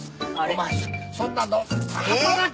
お前そんな働け！